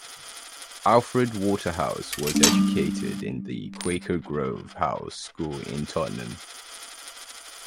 Alfred Waterhouse was educated at the Quaker Grove House School in Tottenham.